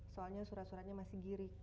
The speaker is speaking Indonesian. soalnya surat suratnya masih giring